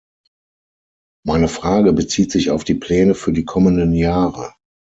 Meine Frage bezieht sich auf die Pläne für die kommenden Jahre.